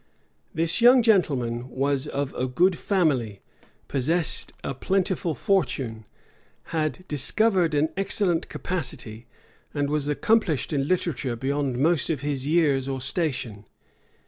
This young gentleman was of a good family, possessed a plentiful fortune, had discovered an excellent capacity, and was accomplished in literature beyond most of his years or station.